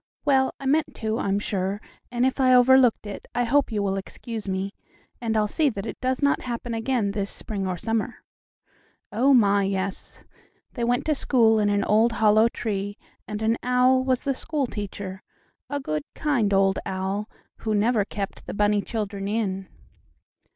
Well, I meant to, I'm sure, and if I overlooked it I hope you will excuse me, and I'll see that it does not happen again this spring or summer. Oh, my, yes; they went to school in an old hollow tree, and an owl was the school teacher a good, kind old owl, who never kept the bunny children in.